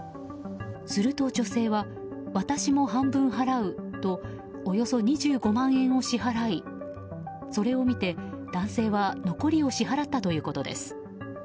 すると女性は私も半分払うとおよそ２５万円を支払いそれを見て男性は残りを支払ったということです。